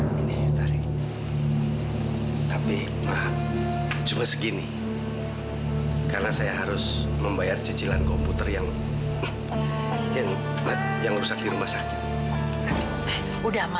sampai jumpa di video selanjutnya